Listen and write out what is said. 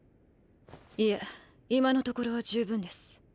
いえ今のところは十分です。